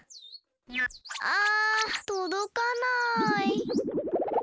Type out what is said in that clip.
ああとどかない！